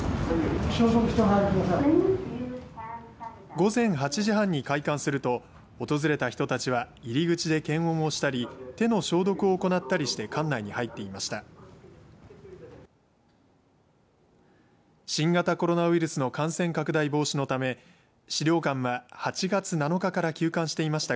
午前８時半に開館すると訪れた人たちは入り口で検温をしたり手の消毒を行ったりして館内に入っていました。